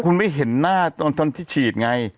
คุณไม่เห็นหน้าตอนที่ฉีดไง